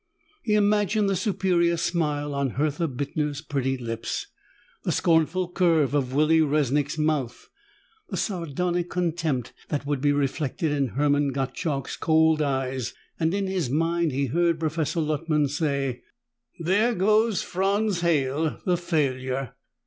He imagined the superior smile on Hertha Bittner's pretty lips, the scornful curve of Willi Resnick's mouth, the sardonic contempt that would be reflected in Hermann Gottschalk's cold eyes, and in his mind he heard Professor Luttman say, "There goes Franz Halle, the failure!